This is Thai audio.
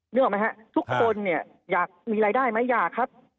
นึกออกไหมฮะทุกคนเนี่ยอยากมีรายได้ไหมอยากครับ